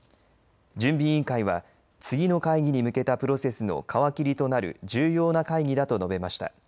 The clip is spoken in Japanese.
準備委員会は次の会議に向けたプロセスの皮切りとなる重要な会議だと述べました。